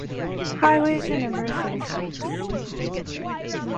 Highways and numerous city streets.